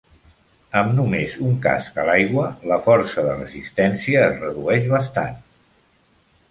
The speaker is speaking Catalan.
Amb només un casc a l'aigua, la força de resistència es redueix bastant.